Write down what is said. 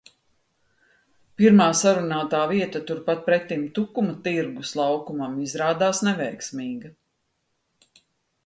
Pirmā sarunātā vieta turpat pretim Tukuma tirgus laukumam izrādās neveiksmīga.